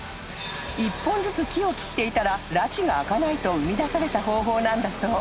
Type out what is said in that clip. ［１本ずつ木を切っていたららちが明かないと生み出された方法なんだそう］